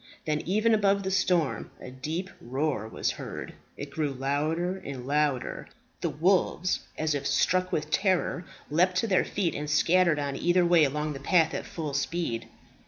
Then even above the storm a deep roar was heard. It grew louder and louder. The wolves, as if struck with terror, leaped to their feet, and scattered on either way along the path at full speed.